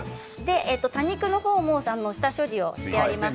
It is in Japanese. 多肉も下処理がしてあります。